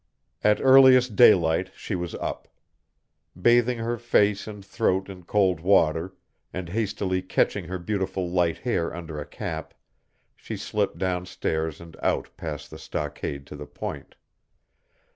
At earliest daylight she was up. Bathing her face and throat in cold water, and hastily catching her beautiful light hair under a cap, she slipped down stairs and out past the stockade to the point.